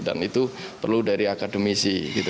dan itu perlu dari akademisi